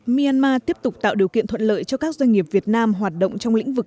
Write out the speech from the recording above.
myanmar tiếp tục tạo điều kiện thuận lợi cho các doanh nghiệp việt nam hoạt động trong lĩnh vực